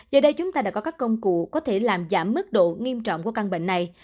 giờ đây chúng ta đã có các công cụ có thể làm giảm mức độ nghiêm trọng của căn bệnh này